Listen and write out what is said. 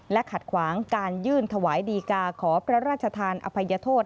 ขัดขวางการยื่นถวายดีกาขอพระราชทานอภัยโทษ